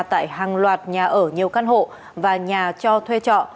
tại hàng loạt nhà ở nhiều căn hộ và nhà cho thuê trọ